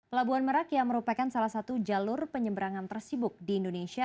pelabuhan merak yang merupakan salah satu jalur penyeberangan tersibuk di indonesia